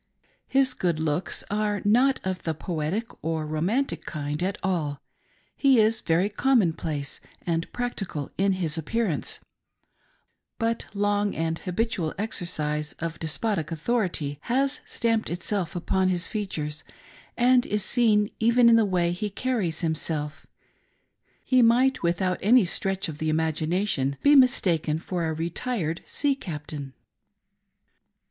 His good looks are not of the poetic or romantic kind at all ; he is very common place and practical in his appearance, but long and habitual exercise of despotic authority has stamped itself upon his, features, and is seen even in the way he carries" himself :— he might without any stretch of the imagination be mistaken for a retired sea. captain.